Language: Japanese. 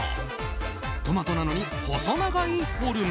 トマトなのに細長いフォルム。